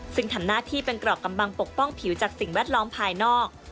ซึ่งทำหน้าที่เป็นกรอกกำบังปกป้องผิวจากสิ่งแวดล้อมภายนอก